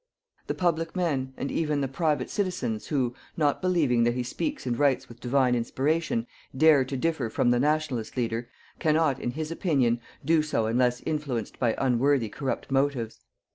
The public men, and even the private citizens, who, not believing that he speaks and writes with Divine inspiration, dare to differ from the Nationalist leader, cannot, in his opinion, do so unless influenced by unworthy corrupt motives.